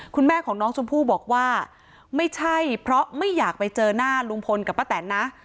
คุณแม่ของน้องชมพู่บอกว่าไม่ใช่เพราะไม่อยากไปเจอหน้าลุงพลกับป้าแตนนะ